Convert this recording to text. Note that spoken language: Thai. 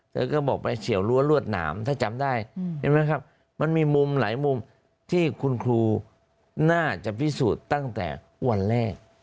เธอก็บอกไปเฉียวรั้วรวดหนามถ้าจำได้เห็นไหมครับมันมีมุมหลายมุมที่คุณครูน่าจะพิสูจน์ตั้งแต่วันแรก